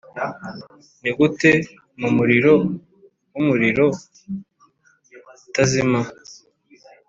nigute mumuriro wumuriro utazima